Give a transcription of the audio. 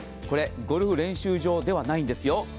これゴルフ練習場ではないんですよ。